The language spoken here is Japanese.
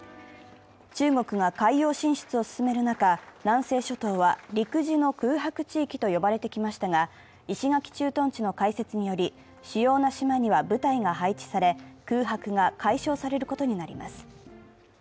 中国が海洋進出を進める中、南西諸島は陸自の空白地域と呼ばれてきましたが石垣駐屯地の開設により主要な島には部隊が配置され空白が解消されることになります。